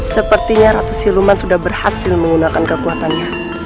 sepertinya ratu siluman sudah berhasil menggunakan kekuatannya